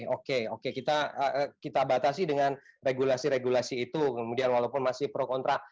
oke oke kita batasi dengan regulasi regulasi itu kemudian walaupun masih pro kontra